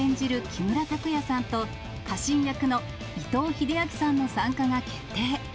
木村拓哉さんと、家臣役の伊藤英明さんの参加が決定。